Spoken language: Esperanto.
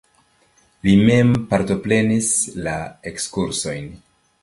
Li mem partoprenis la ekskursojn.